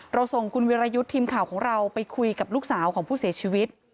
ส่งคุณวิรยุทธ์ทีมข่าวของเราไปคุยกับลูกสาวของผู้เสียชีวิต